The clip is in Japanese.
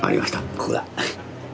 ここだ。